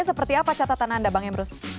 seperti apa catatan anda bang emrus